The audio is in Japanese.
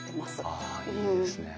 ああいいですね。